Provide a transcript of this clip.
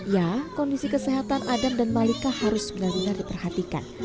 ya kondisi kesehatan adam dan malika harus benar benar diperhatikan